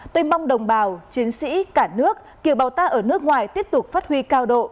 tôi mong đồng bào chiến sĩ cả nước kiều bào ta ở nước ngoài tiếp tục phát huy cao độ